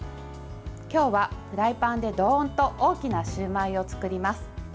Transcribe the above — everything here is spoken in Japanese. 今日はフライパンでドーンと大きなシューマイを作ります。